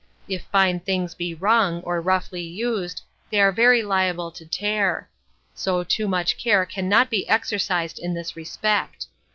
If fine things be wrung, or roughly used, they are very liable to tear; so too much care cannot be exercised in this respect.